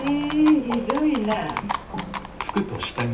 ひどいな。